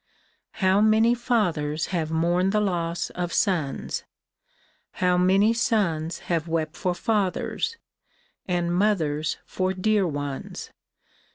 How many fathers have mourned the loss of sons ; how many sons have wept for fathers, and mothers for dear ones